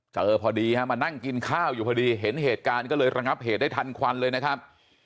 เจอพอดีฮะมานั่งกินข้าวอยู่พอดีเห็นเหตุการณ์ก็เลยระงับเหตุได้ทันควันเลยนะครับ